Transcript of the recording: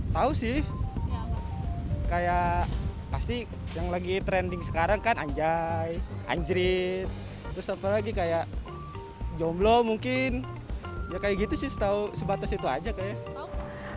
tahu sih kayak pasti yang lagi trending sekarang kan anjay anjrit terus apalagi kayak jomblo mungkin ya kayak gitu sih sebatas itu aja kayaknya